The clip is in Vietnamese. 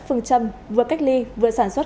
phương châm vừa cách ly vừa sản xuất